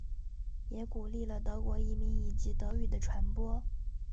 也鼓励了德国移民以及德语的传播。